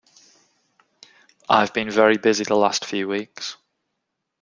I've been very busy the last few weeks.